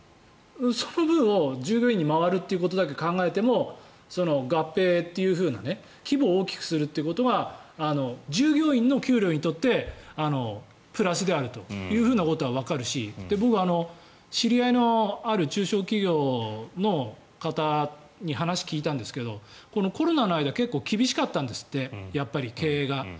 その分を従業員に回るということだけ考えても合併っていうふうな規模を大きくすることが従業員の給料にとってプラスであるということはわかるし僕、知り合いのある中小企業の方に話を聞いたんですけどこのコロナの間結構、厳しかったんですってやっぱり経営が。